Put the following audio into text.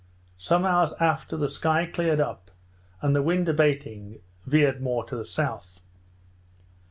Some hours after, the sky cleared up, and the wind abating, veered more to the south.